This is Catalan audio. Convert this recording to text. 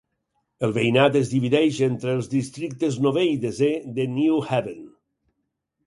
El veïnat es divideix entre els districtes novè i desè de New Haven.